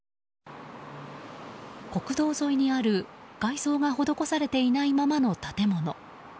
国道沿いにある外装が施されていないままの建物。